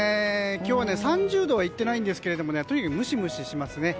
今日は３０度はいってないんですけどとにかくムシムシしますね。